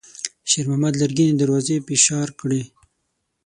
شېرمحمد لرګينې دروازې فشار کړې.